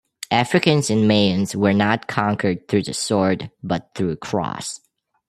Africans and Mayans were not conquered through the sword, but through cross.